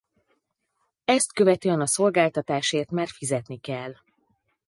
Ezt követően a szolgáltatásért már fizetni kell.